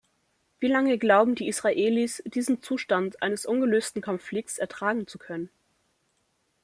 Wie lange glauben die Israelis, diesen Zustand eines ungelösten Konflikts ertragen zu können?